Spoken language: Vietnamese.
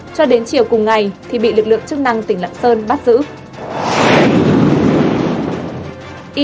cho đến chiều cùng ngày thì bị lực lượng chức năng tỉnh lạng sơn bắt giữ